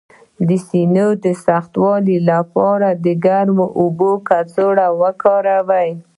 د سینې د سختوالي لپاره د ګرمو اوبو کڅوړه وکاروئ